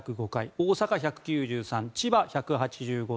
大阪１９３、千葉１８５回。